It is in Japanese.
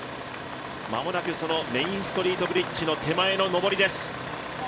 間もなくそのメインストリートブリッジの手前の上りです。